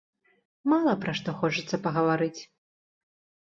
Мала пра што хочацца пагаварыць!